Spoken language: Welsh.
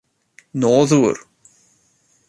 noddwr